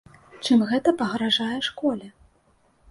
Чым гэта пагражае школе?